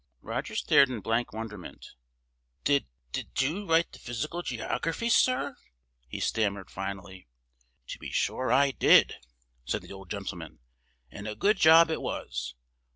Roger stared in blank wonderment. "Did—did you write the Physical Geography, sir?" he stammered, finally. "To be sure I did!" said the old gentleman, "and a good job it was!